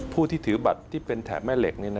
ผู้ที่ถือบัตรที่เป็นแถบแม่เหล็ก